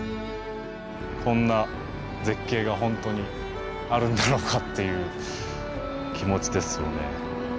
こんな絶景が本当にあるんだろうかという気持ちですよね。